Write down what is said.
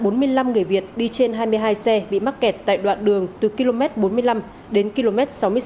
bốn mươi năm người việt đi trên hai mươi hai xe bị mắc kẹt tại đoạn đường từ km bốn mươi năm đến km sáu mươi sáu